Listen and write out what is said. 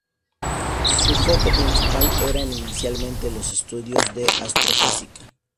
Su foco principal eran inicialmente los estudios de astrofísica.